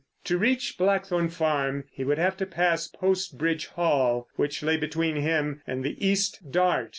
To reach Blackthorn Farm he would have to pass Post Bridge Hall, which lay between him and the East Dart.